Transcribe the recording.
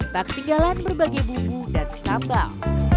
tak ketinggalan berbagai bumbu dan sambal